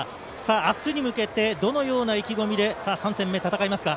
明日に向けてどのような意気込みで３戦目戦いますか？